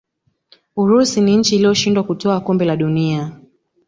urusi ni nchi iliyoshindwa kutwaa kombe la dunia